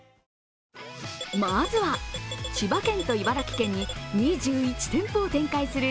まずは千葉県と茨城県に２１店舗を展開する